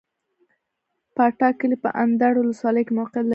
باټا کلی په اندړ ولسوالۍ کي موقعيت لري